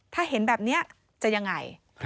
ถ้าเห็นแบบนี้จะยังไง